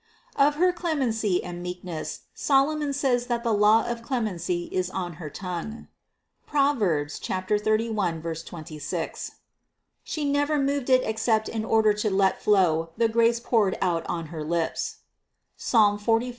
Of her clemency and meekness Solomon says that the law of clemency is on her tongue (Prov. 31, 26). She never moved it except in order to let flow the grace poured out on her lips (Psalm 44, 3).